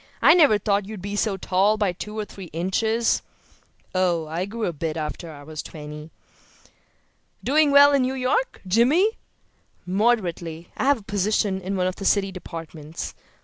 I never thought you were so tall by two or three inches." "Oh, I grew a bit after I was twenty." "Doing well in New York, Jimmy?" "Moderately. I have a position in one of the city departments.